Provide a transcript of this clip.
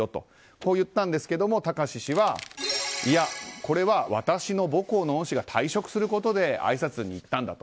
こう言ったんですが、貴志氏はこれは私の母校の恩師が退職するということであいさつに行ったんだと。